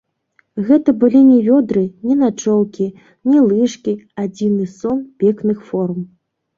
Гэта былі не вёдры, не начоўкі, не лыжкі, а дзіўны сон пекных форм.